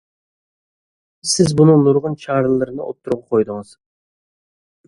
سىز بۇنىڭ نۇرغۇن چارىلىرىنى ئۇتتۇرغا قويدىڭىز.